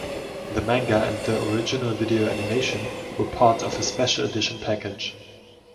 The manga and the Original Video Animation were part of a special edition package.